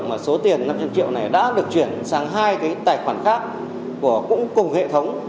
mà số tiền năm trăm linh triệu này đã được chuyển sang hai cái tài khoản khác cũng cùng hệ thống